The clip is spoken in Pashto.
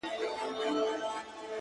گراني زر واره درتا ځار سمه زه؛